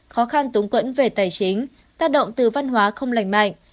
khó khăn tống quẫn về tài chính tác động từ văn hóa không lành mạnh